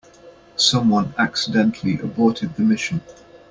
Someone accidentally aborted the mission.